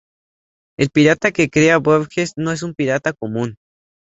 El pirata que crea Borges no es un pirata común.